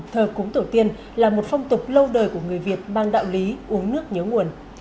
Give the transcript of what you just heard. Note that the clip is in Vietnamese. thờ cúng tổ tiên là một phong tục lâu đời của người việt mang đạo lý uống nước nhớ nguồn